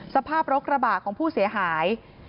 สภาพรถกระบะของผู้เสียหาย